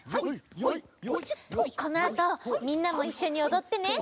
このあとみんなもいっしょにおどってね！